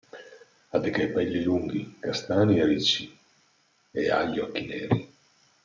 Ha dei capelli lunghi, castani e ricci ed ha gli occhi neri.